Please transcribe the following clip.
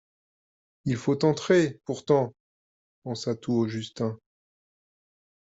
Il faut entrer, pourtant ! pensa tout haut Justin.